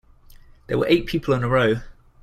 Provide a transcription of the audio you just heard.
There were eight people in a row.